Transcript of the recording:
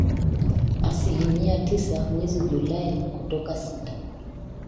asilimia tisa mwezi Julai kutoka sita